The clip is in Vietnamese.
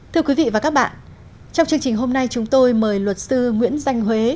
thưa quý vị và các bạn trong chương trình hôm nay chúng tôi mời luật sư nguyễn danh huế